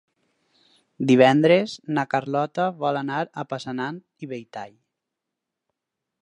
Divendres na Carlota vol anar a Passanant i Belltall.